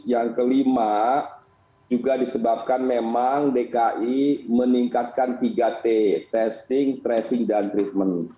yang kelima juga disebabkan memang dki meningkatkan tiga t testing tracing dan treatment